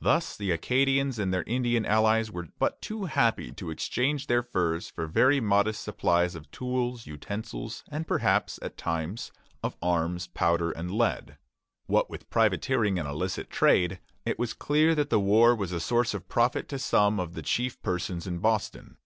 Thus the Acadians and their Indian allies were but too happy to exchange their furs for very modest supplies of tools, utensils, and perhaps, at times, of arms, powder, and lead. What with privateering and illicit trade, it was clear that the war was a source of profit to some of the chief persons in Boston.